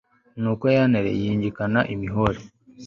nuko ya ntare yihengekana imihore